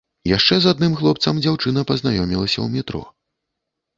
Яшчэ з адным хлопцам дзяўчына пазнаёмілася ў метро.